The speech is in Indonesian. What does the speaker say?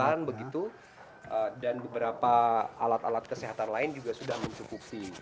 ada beberapa alat alat kesehatan lain juga sudah mencukupi